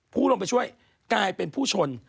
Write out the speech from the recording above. ผู้ลงไปช่วยกลายเป็นผู้ชน